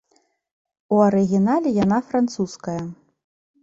У арыгінале яна французская.